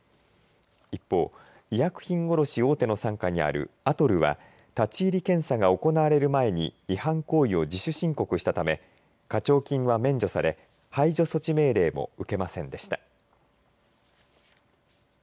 一方、医薬品卸大手の傘下にあるアトルは立ち入り検査が行われる前に違反行為を自主申告したため課徴金は免除され排除措置命令も受けませんでした。